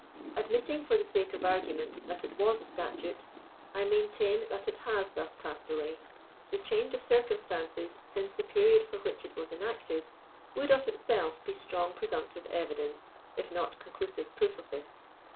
Admitting, for the sake of argument, that it was a statute, I maintain that it has thus passed away. The change of circumstances since the period for which it was enacted, would of itself be strong presumptive evidence, if not conclusive proof of this.